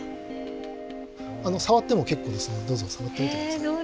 触っても結構ですのでどうぞ触ってみて下さい。